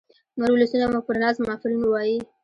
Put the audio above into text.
نور ولسونه مو پر نظم آفرین ووايي.